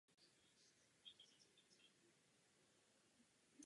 Je to správný postup.